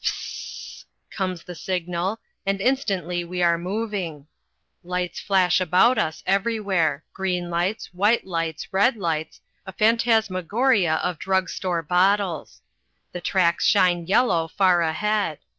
"F s s s s s!" comes the signal, and instantly we are moving. Lights flash about us everywhere green lights, white lights, red lights, a phantasmagoria of drug store bottles. The tracks shine yellow far ahead.